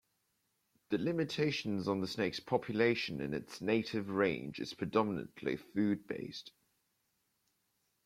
The limitations on the snake's population in its native range is predominantly food based.